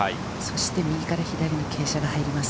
右から左の傾斜が入ります。